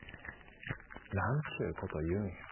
なんちゅうことを言うんや。